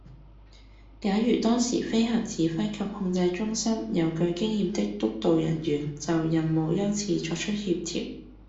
假如當時飛行指揮及控制中心有具經驗的督導人員就任務優次作出協調